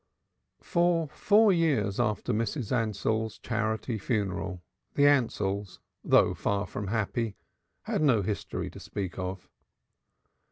For four years after Mrs. Ansell's charity funeral the Ansells, though far from happy, had no history to speak of.